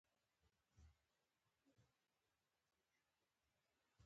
د معدې ظرفیت دوه لیټره دی.